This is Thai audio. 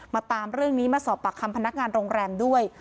ตามเรื่องนี้มาสอบปากคำพนักงานโรงแรมด้วย